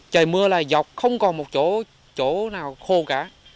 trời mưa là dọc không còn một chỗ nào khô cả